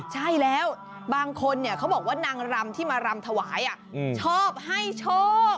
ใช่แล้วบางคนเขาบอกว่านางรำที่มารำถวายชอบให้โชค